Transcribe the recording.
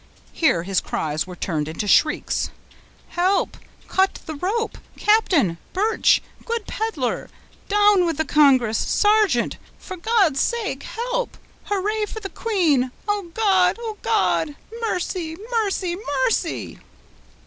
Here his cries were turned into shrieks. "Help! cut the rope! captain!—Birch! good peddler! Down with the Congress!—sergeant! for God's sake, help! Hurrah for the king!—O God! O God!—mercy, mercy—mercy!"